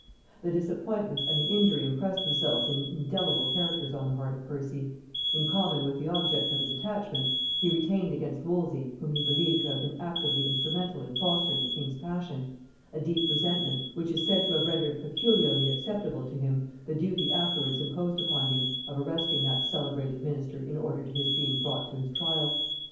The disappointment and the injury impressed themselves in indelible characters on the heart of Percy: in common with the object of his attachment, he retained against Wolsey, whom he believed to have been actively instrumental in fostering the king's passion, a deep resentment, which is said to have rendered peculiarly acceptable to him the duty afterwards imposed upon him, of arresting that celebrated minister in order to his being brought to his trial.